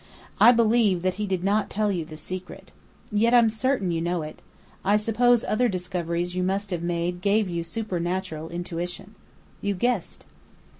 I believe that he did not tell you the secret. Yet I'm certain you know it. I suppose other discoveries you must have made gave you supernatural intuition. You guessed."